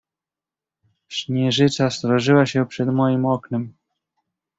"Śnieżyca srożyła się przed moim oknem."